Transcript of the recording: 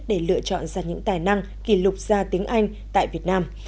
để lựa chọn ra những tài năng kỷ lục gia tiếng anh tại việt nam